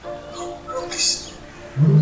دا تړلی شکل دئ.